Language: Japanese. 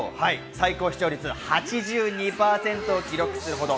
最高視聴率８２％を記録するほど。